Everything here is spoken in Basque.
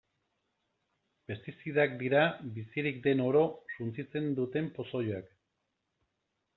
Pestizidak dira bizirik den oro suntsitzen duten pozoiak.